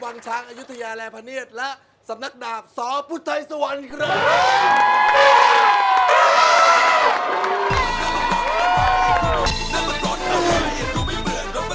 วังช้างอายุทยาและพเนียดและสำนักดาบสพุทธัยสวรรค์ครับ